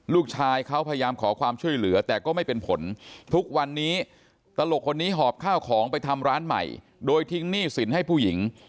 ลูกชายเขาพยายามขอความช่วยเหลือแต่ก็ไม่เป็นผลทุกวันนี้ตลกคนนี้หอบข้าวของไปทำร้านใหม่โดยทิ้งหนี้สินให้ผู้หญิง